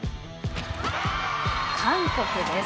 韓国です。